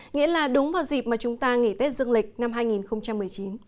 nghĩa là đúng vào dịp mà chúng ta nghỉ tết dương lịch năm hai nghìn một mươi chín